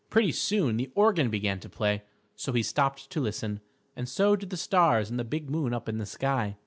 Pretty soon the organ began to play, so he stopped to listen, and so did the stars and the big moon up in the sky.